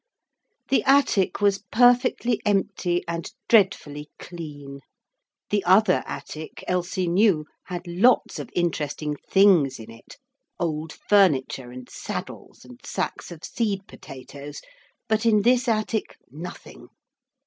The attic was perfectly empty and dreadfully clean. The other attic, Elsie knew, had lots of interesting things in it old furniture and saddles, and sacks of seed potatoes, but in this attic nothing.